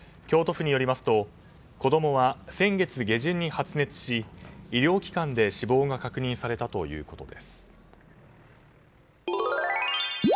京都府によりますと子供は先月下旬に発熱し医療機関で死亡が確認されたということです。